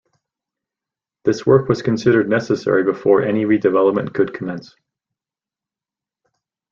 This work was considered necessary before any redevelopment could commence.